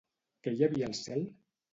Què hi havia al cel?